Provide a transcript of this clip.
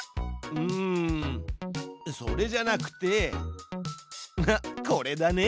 うんそれじゃなくてこれだね！